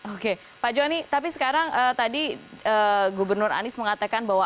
oke pak joni tapi sekarang tadi gubernur anies mengatakan bahwa